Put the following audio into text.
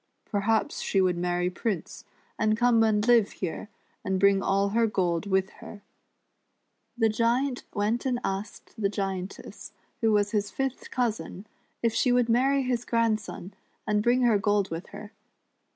Perhaps she would marry Prince, and come and live here, and bring all her gold with her." The Giant went and asked the Giantess, who was his fifth cousin, if she would marry his grandson, and bring her gold with her.